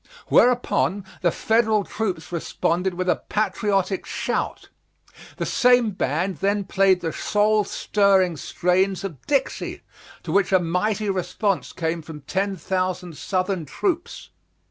Whereupon the Federal troops responded with a patriotic shout. The same band then played the soul stirring strains of "Dixie," to which a mighty response came from ten thousand Southern troops.